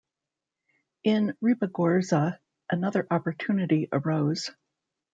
In Ribagorza, another opportunity arose.